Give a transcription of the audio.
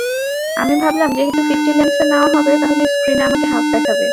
আমি ভাবলাম, যেহেতু ফিফটি লেন্সে নেওয়া হবে তাহলে স্ক্রিনে আমাকে হাফ দেখাবে।